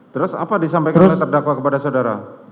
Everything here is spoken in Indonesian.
terus apa disampaikan oleh terdakwa kepada saudara